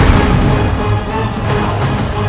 atau tentang kakaknya